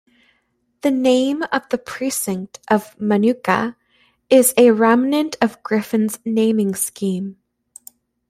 The name of the precinct of Manuka is a remnant of Griffin's naming scheme.